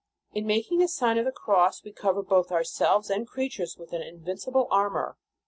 In making the Sign of the Cross we cover both ourselves and creatures with an invincible armor.